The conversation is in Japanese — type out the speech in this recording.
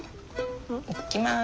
いっきます。